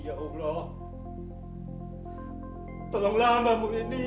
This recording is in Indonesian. jangan lupa like share dan subscribe ya